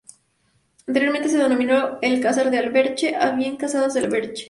Anteriormente se denominó "El Casar del Alberche" o bien "Casas del Alberche".